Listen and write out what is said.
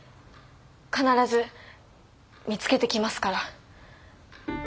必ず見つけてきますから。